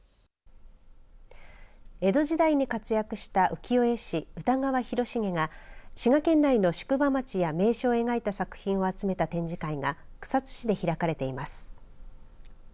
江戸時代に活躍した浮世絵師歌川広重が滋賀県内の宿場町や名所を描いた作品を集めた展示会が草津市で開かれています。